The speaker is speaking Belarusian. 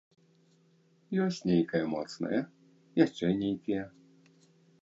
Ёсць нейкае моцнае, яшчэ нейкія.